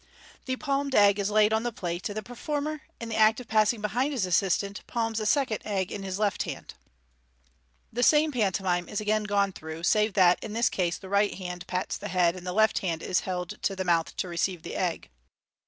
The palmed egg is laid on the plate, and the performer, m the act of passing behind his assistant, palms a second egg in his left hand. The same pantomime is again gone through, save that in this case the right hand pats the head, and the left hand is held to 33o MODERN IvlAGlC. the mouth to receive the egg.